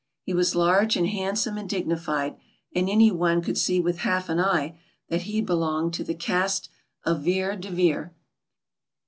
He was large and handsome and dignified, and any one could see with half an eye that he belonged to the caste of Vere •'•'.,. .,Google de Vere.